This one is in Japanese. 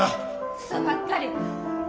うそばっかり。